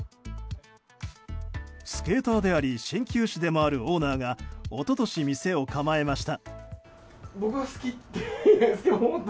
スケーターであり鍼灸師でもあるオーナーが一昨年、店を構えました。